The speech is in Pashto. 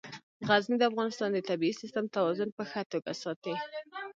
غزني د افغانستان د طبعي سیسټم توازن په ښه توګه ساتي.